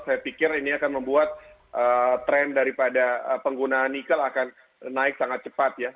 saya pikir ini akan membuat tren daripada penggunaan nikel akan naik sangat cepat ya